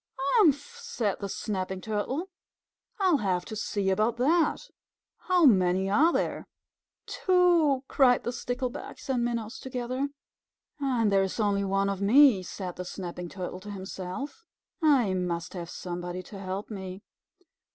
"Humph!" said the Snapping Turtle. "I'll have to see about that. How many are there?" "Two!" cried the Sticklebacks and Minnows together. "And there is only one of me," said the Snapping Turtle to himself. "I must have somebody to help me.